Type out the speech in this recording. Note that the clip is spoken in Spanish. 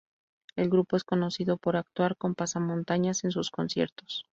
El grupo es conocido por actuar con pasamontañas en sus conciertos.